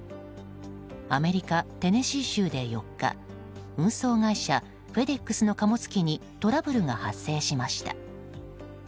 アメリカ・テネシー州で４日運送会社フェデックスの貨物機にトラブルが発生しました。